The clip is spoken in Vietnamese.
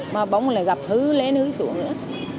mà bóng lại gặp hư lên hư xuống nữa